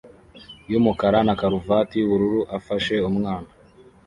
yumukara na karuvati yubururu afashe umwana